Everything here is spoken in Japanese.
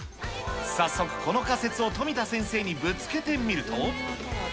早速この仮説を富田先生にぶつけてみると。